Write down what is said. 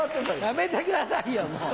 やめてくださいよもう。